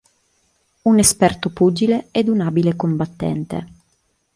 Un esperto pugile ed un abile combattente.